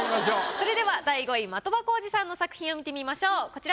それでは第５位的場浩司さんの作品を見てみましょうこちらです。